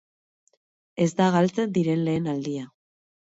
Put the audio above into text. Ez da galtzen diren lehen aldia.